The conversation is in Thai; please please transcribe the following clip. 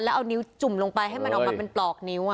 แล้วเอานิ้วจุ่มลงไปให้มันออกมาเป็นปลอกนิ้ว